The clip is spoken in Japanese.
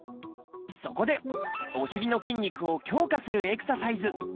そこでお尻の筋肉を強化するエクササイズ。